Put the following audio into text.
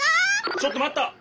ちょっとまった！